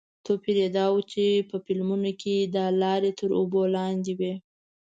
توپیر دا و چې په فلمونو کې دا لارې تر اوبو لاندې وې.